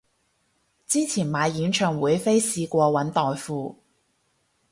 之前買演唱會飛試過搵代付